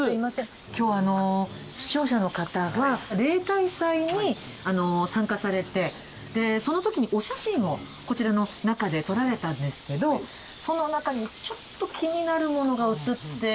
今日視聴者の方が例大祭に参加されてでその時にお写真をこちらの中で撮られたんですけどその中にちょっと気になるものが写ってらしたという事で。